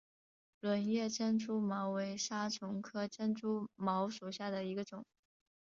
轮叶珍珠茅为莎草科珍珠茅属下的一个种。